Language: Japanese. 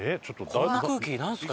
こんな空気なんですか？